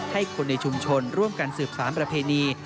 ให้คนในชุมชนร่วมกันสืบสารประเพณี